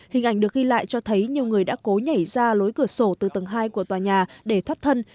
hình ảnh được ghi lại cho thấy nhiều người đã cố nhảy ra lối cửa sổ từ tầng hai của tòa nhà để thoát thân